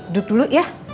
dud dulu ya